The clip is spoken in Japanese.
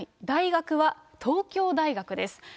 大学は東京大学です。